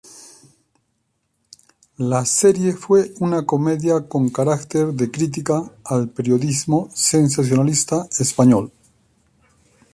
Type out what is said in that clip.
La serie fue una comedia con carácter de crítica al periodismo sensacionalista español.